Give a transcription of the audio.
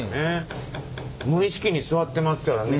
無意識に座ってますからね。